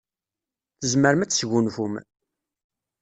Tzemrem ad tesgunfum.